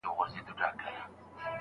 لا یې هم نېکمرغه بولي د کاڼه اولس وګړي